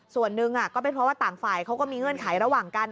ส่วนหนึ่งก็เป็นเพราะว่าต่างฝ่ายเขาก็มีเงื่อนไขระหว่างกัน